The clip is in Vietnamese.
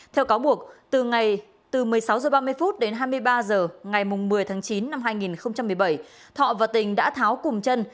theo cáo buộc từ một mươi sáu h ba mươi đến hai mươi ba h ngày một mươi tháng chín năm hai nghìn một mươi bảy thọ và tình đã tháo cùng chân